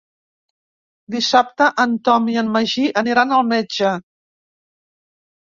Dissabte en Tom i en Magí aniran al metge.